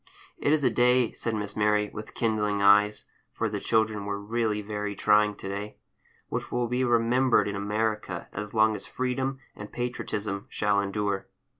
"It is a day," said Miss Mary, with kindling eyes (for the children were really very trying to day), "which will be remembered in America as long as freedom and patriotism shall endure."